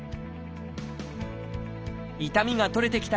痛みが取れてきた